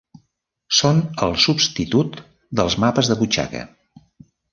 Són el substitut dels mapes de butxaca.